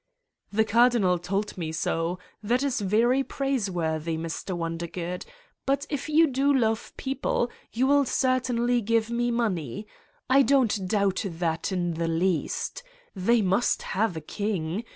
'' The Cardinal told me so. That is very praise worthy, Mr. Wondergood. But if you do love people you will certainly give me money. I don't doubt that in the least. They must have a king.